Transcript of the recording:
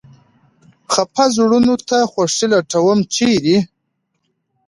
خپه زړونو ته خوښي لټوم ، چېرې ؟